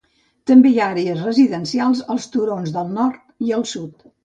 També hi ha àrees residencials als turons del nord i el sud.